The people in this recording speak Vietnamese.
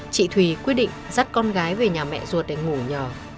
chị thùy quyết định dắt con gái về nhà mẹ ruột để ngủ nhờ